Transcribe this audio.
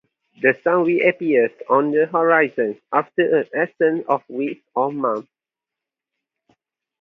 The sun reappears on the horizon after an absence of weeks or months.